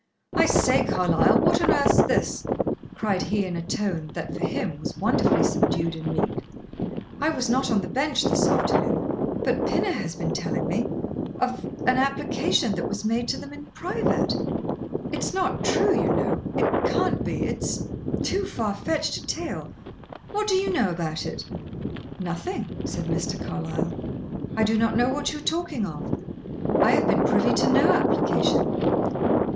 "I say, Carlyle, what on earth's this?" cried he, in a tone that, for him, was wonderfully subdued and meek. "I was not on the bench this afternoon, but Pinner has been telling me of an application that was made to them in private. It's not true, you know; it can't be; it's too far fetched a tale. What do you know about it?" "Nothing," said Mr. Carlyle. "I do not know what you are talking of. I have been privy to no application."